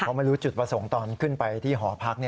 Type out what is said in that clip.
เพราะไม่รู้จุดประสงค์ตอนขึ้นไปที่หอพัก